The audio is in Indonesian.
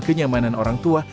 kenyamanan orang tua